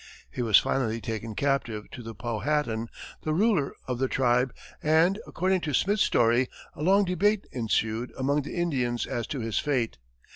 He was finally taken captive to the Powhatan, the ruler of the tribe, and, according to Smith's story, a long debate ensued among the Indians as to his fate.